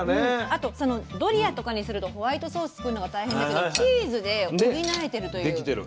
あとドリアとかにするとホワイトソース作るのが大変だけどチーズで補えてるという。